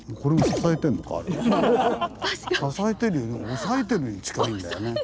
支えてるよりも押さえてるに近いんだよね。